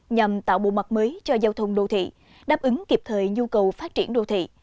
nhằm tạo bộ mặt mới cho giao thông đô thị đáp ứng kịp thời nhu cầu phát triển đô thị